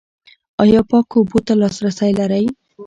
ایا پاکو اوبو ته لاسرسی لرئ؟